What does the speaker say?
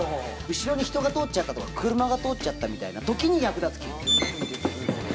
後ろに人が通っちゃったとか車が通っちゃったみたいな時に役立つ機能。